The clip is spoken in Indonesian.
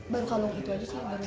baru kalung itu aja sih